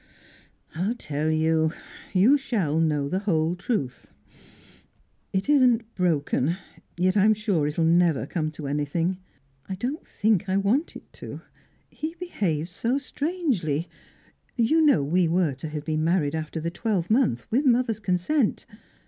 "I'll tell you; you shall know the whole truth. It isn't broken; yet I'm sure it'll never come to anything. I don't think I want it to. He behaves so strangely. You know we were to have been married after the twelvemonth, with mother's consent.